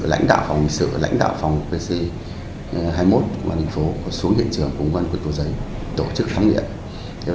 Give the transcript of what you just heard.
lãnh đạo phòng hình sự lãnh đạo phòng pc hai mươi một quán hình phố xuống hiện trường cùng với quân cổ giấy tổ chức thám nghiệm